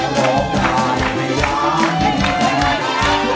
ร้องได้ให้ร้าน